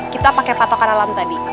kita pakai patokan alam tadi